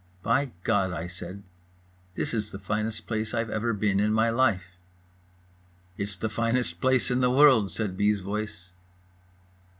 "By God" I said, "this is the finest place I've ever been in my life." "It's the finest place in the world" said B.'s voice.